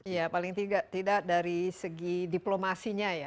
ya paling tidak tidak dari segi diplomasinya ya